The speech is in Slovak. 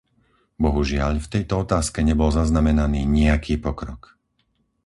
Bohužiaľ, v tejto otázke nebol zaznamenaný nijaký pokrok.